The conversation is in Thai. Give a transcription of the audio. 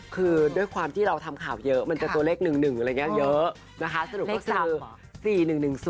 ๔๑๑๐คือด้วยความที่เราทำข่าวเยอะมันจะตัวเลข๑๑เยอะสนุกก็คือ๔๑๑๐